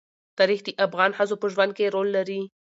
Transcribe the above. تاریخ د افغان ښځو په ژوند کې رول لري.